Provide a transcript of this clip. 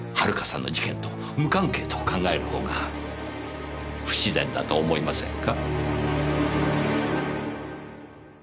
遥さんの事件と無関係と考えるほうが不自然だと思いませんか？